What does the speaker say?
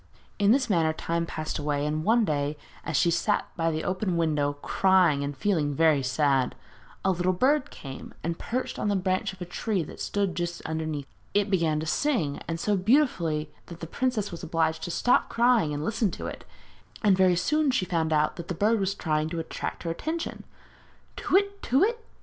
In this manner time passed away, and one day, as she sat by the open window crying and feeling very sad, a little bird came and perched on the branch of a tree that stood just underneath. It began to sing, and so beautifully that the princess was obliged to stop crying and listen to it, and very soon she found out that the bird was trying to attract her attention. '_Tu whit, tu whit!